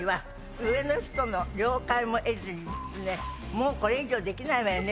「もうこれ以上できないわよね」